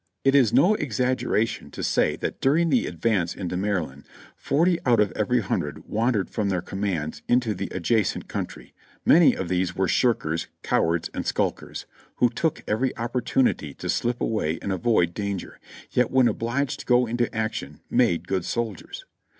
It is no exaggeration to say that during the advance into Mary land forty out of every hundred wandered from their commands into the adjacent country ; many of these were shirkers, cowards and skulkers, who took every opportunity to slip away and avoid danger, yet when obliged to go into action made good soldiers.